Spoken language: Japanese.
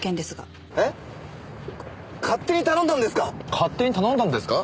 勝手に頼んだんですか？